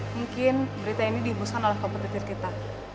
mungkin berita ini dihubungkan oleh kompetitor kita